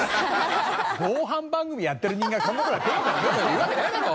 防犯番組やってる人間がこんなとこでペラペラペラペラ言うわけないだろ！